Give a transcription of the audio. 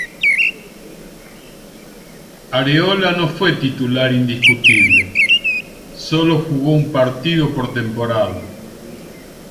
Areola no fue titular indiscutible, solo jugó un partido por temporada.